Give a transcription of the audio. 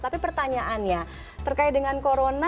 tapi pertanyaannya terkait dengan corona